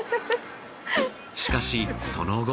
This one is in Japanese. しかしその後。